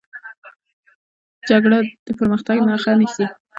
جګړه د پرمختګ مخه نیسي